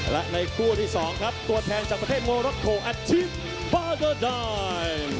และในคู่ที่สองครับตัวแทนจากประเทศโมรักโกที่ทีมบาร์เจอร์ดายม